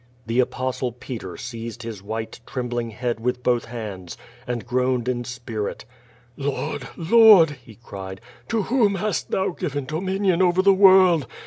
The i^postle Peter seized his white, trembling head with both haWds, and groaned in spirit: "Lord! Lord!'' he cried, '*to whom hast Tliou given do minion oW the world?